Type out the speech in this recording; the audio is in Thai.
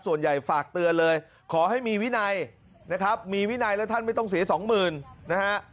ส่วนใหญ่ฝากเตือนเลยขอให้มีวินัยนะครับมีวินัยแล้วท่านไม่ต้องเสียสองหมื่นนะฮะ